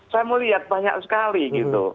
saya mau lihat banyak sekali gitu